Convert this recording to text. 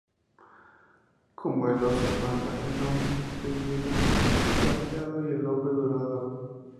Como el Oso Panda, el hombre de hielo plateado y el hombre dorado.